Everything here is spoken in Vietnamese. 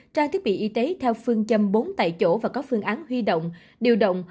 trang thiết bị y tế theo phương châm bốn tại chỗ và có phương án huy động điều động